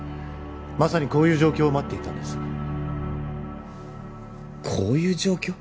まさにこういう状況を待っていたんですこういう状況！？